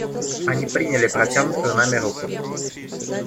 Они приняли протянутую нами руку.